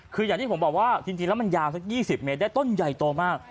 คืออย่างที่ผมบอกว่าจริงแล้วมันยาวสัก๒๐เมตรได้ต้นใหญ่โตมาก